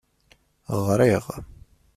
Ɣriɣ.